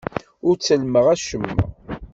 Ur ttellmeɣ acemma.